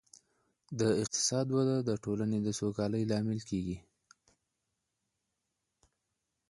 د اقتصاد وده د ټولني د سوکالۍ لامل کيږي.